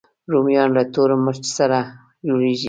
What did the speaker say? رومیان له تور مرچ سره جوړېږي